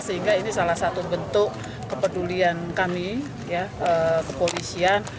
sehingga ini salah satu bentuk kepedulian kami kepolisian